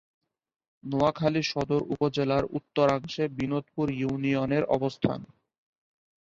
নোয়াখালী সদর উপজেলার উত্তরাংশে বিনোদপুর ইউনিয়নের অবস্থান।